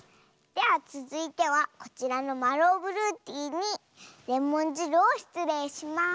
ではつづいてはこちらのマローブルーティーにレモンじるをしつれいします。